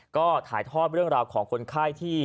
ก็ถ่ายทอดเรื่องราวของคนไข้ที่